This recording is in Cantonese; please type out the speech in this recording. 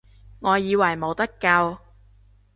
我以為冇得救